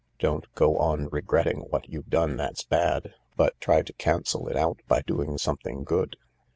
Don't go on regretting what you've done that's bad, but try to cancel it out by doing something good.